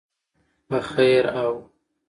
په خیر او